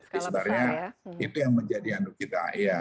jadi sebenarnya itu yang menjadikan untuk kita